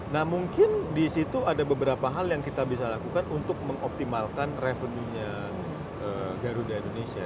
nah mungkin disitu ada beberapa hal yang kita bisa lakukan untuk mengoptimalkan revenue nya garuda indonesia